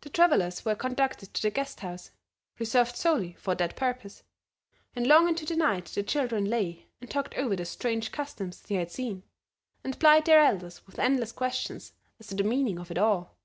The travelers were conducted to the guest house, reserved solely for that purpose, and long into the night the children lay and talked over the strange customs they had seen, and plied their elders with endless questions as to the meaning of it all.